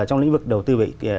trong lĩnh vực đầu tư